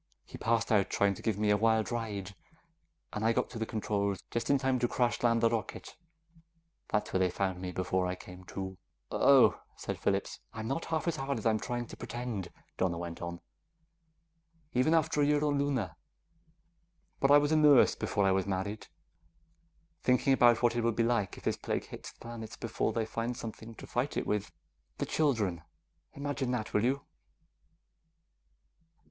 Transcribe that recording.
He passed out trying to give me a wild ride, and I got to the controls just in time to crash land the rocket; that's where they found me before I came to." "Oh," said Phillips. "I'm not half as hard as I'm trying to pretend," Donna went on, "even after a year on Luna. But I was a nurse before I was married. I'm thinking about what it will be like if this plague hits the planets before they find something to fight it with. The children ... imagine that, will you?"